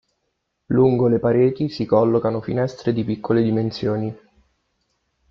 Lungo le pareti si collocano finestre di piccole dimensioni.